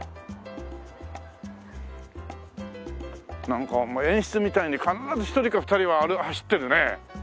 なんか演出みたいに必ず１人か２人は走ってるよね。